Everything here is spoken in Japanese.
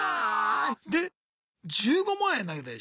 で１５万円投げたでしょ？